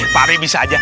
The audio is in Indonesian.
pak deh bisa aja